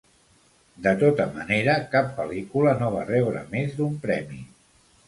De tota manera, cap pel·lícula no va rebre més d'un premi.